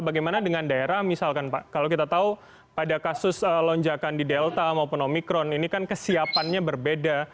bagaimana dengan daerah misalkan pak kalau kita tahu pada kasus lonjakan di delta maupun omikron ini kan kesiapannya berbeda